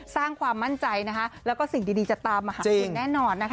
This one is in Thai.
สร้างความมั่นใจและสิ่งดีจะตามมาหาก่อนแน่นอน